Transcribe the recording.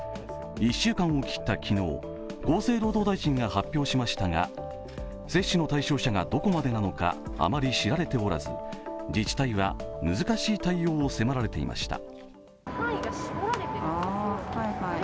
１週間を切った昨日、厚生労働大臣が発表しましたが接種の対象者がどこまでなのか、あまり知られておらず自治体は難しい対応を迫られていました。